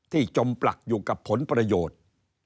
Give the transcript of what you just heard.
จมปลักอยู่กับผลประโยชน์